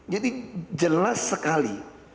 jadi jelas sekali bahwa dasarnya